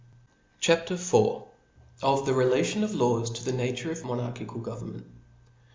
C H A P. IV. Of the Relation of Laws fo the Nature ofmonar chical Government.